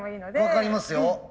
分かりますよ。